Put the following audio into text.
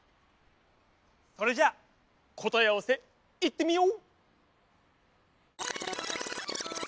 それじゃあこたえあわせいってみよう！